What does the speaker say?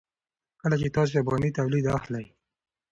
کله چې تاسو افغاني تولید اخلئ.